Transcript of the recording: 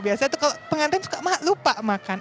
biasanya tuh kalau pengantin suka lupa makan